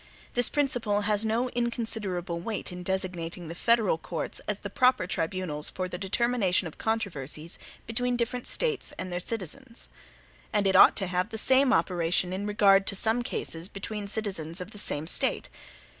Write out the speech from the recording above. This principle has no inconsiderable weight in designating the federal courts as the proper tribunals for the determination of controversies between different States and their citizens. And it ought to have the same operation in regard to some cases between citizens of the same State.